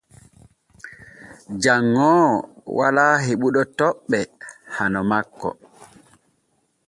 Janŋoowo walaa heɓuɗo toɓɓe hano makko.